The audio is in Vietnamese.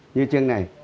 như chiêng này